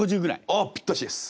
あっぴったしです。